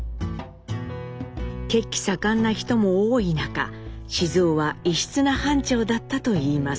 血気盛んな人も多い中雄は異質な班長だったといいます。